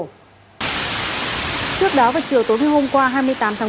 trước đó vào chiều tối hôm qua hai mươi tám tháng